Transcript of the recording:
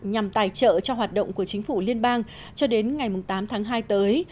nhằm tài trợ cho hoạt động của chính phủ liên bang cho đến ngày tám tháng hai tới